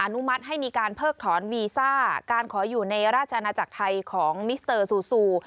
นุมัติให้มีการเพิกถอนวีซ่าการขออยู่ในราชอาณาจักรไทยของมิสเตอร์ซูซู